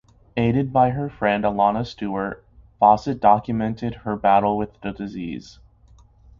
Aided by friend Alana Stewart, Fawcett documented her battle with the disease.